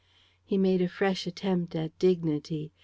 "He made a fresh attempt at dignity.